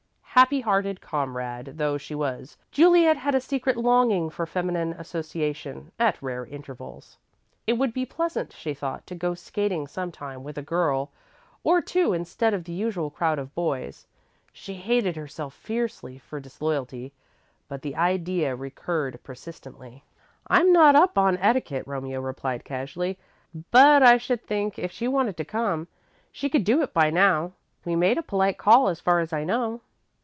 Happy hearted comrade though she was, Juliet had a secret longing for feminine association, at rare intervals. It would be pleasant she thought, to go skating sometimes with a girl or two instead of the usual crowd of boys. She hated herself fiercely for disloyalty, but the idea recurred persistently. "I'm not up on etiquette," Romeo replied, casually, "but I should think, if she wanted to come, she could do it by now. We made a polite call as far as I know."